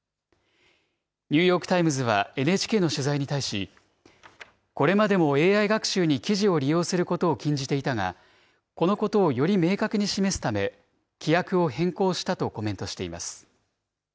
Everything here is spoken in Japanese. ニューヨーク・タイムズはＮＨＫの取材に対し、これまでもＡＩ学習に記事を利用することを禁じていたが、このことをより明確に示すため、規約を変更したとコメントしています。